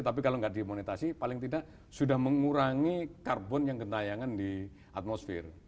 tapi kalau nggak dimonetasi paling tidak sudah mengurangi karbon yang kentayangan di atmosfer